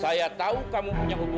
saya tahu kamu adalah ibu kandung evita